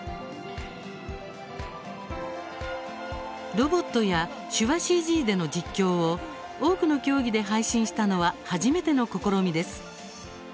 ロボットや手話ＣＧでの実況を多くの競技で配信したのは初めての試みです。